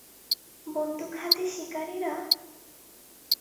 বন্দুক হাতে শিকারীরা!